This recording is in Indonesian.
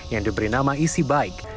yang diberi nama easy bike